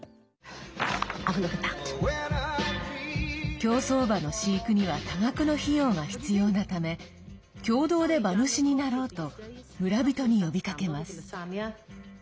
競走馬の飼育には多額の費用が必要なため共同で馬主になろうと村人に呼びかけます。